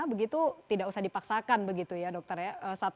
begitu tidak usah dipaksakan begitu ya dokter ya